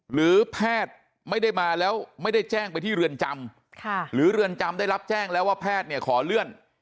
หรือแพทย์ไม่ได้มาแล้วไม่ได้แจ้งไปที่เรือนจำหรือเรือนจำได้รับแจ้งแล้วว่าแพทย์เนี่ยขอเลื่อน